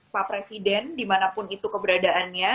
pak presiden dimanapun itu keberadaannya